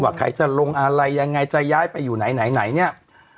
ใครจะลงอะไรยังไงจะย้ายไปอยู่ไหนไหนเนี่ย